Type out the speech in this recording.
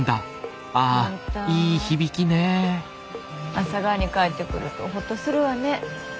阿佐ヶ谷に帰ってくるとほっとするわね。